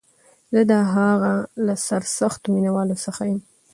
زه د هغه له سرسختو مینوالو څخه یم